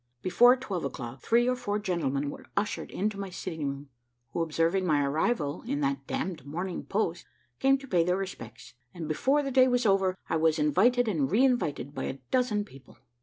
Before twelve o'clock, three or four gentlemen were ushered into my sitting room, who observing my arrival in that damn'd Morning Post, came to pay their respects; and before the day was over, I was invited and re invited by a dozen people.